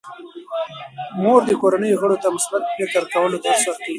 مور د کورنۍ غړو ته د مثبت فکر کولو درس ورکوي.